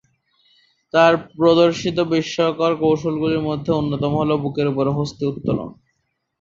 তার প্রদর্শিত বিস্ময়কর কৌশলগুলির মধ্যে অন্যতম হল বুকের উপরে হস্তী উত্তোলন।